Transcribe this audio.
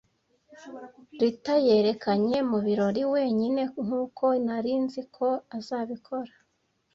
Ruta yerekanye mu birori wenyine, nkuko nari nzi ko azabikora.